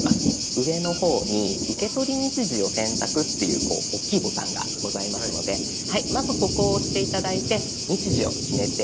上の方に「受け取り日時を選択」っていうこう大きいボタンがございますのでまずここを押して頂いて日時を決めていきましょう。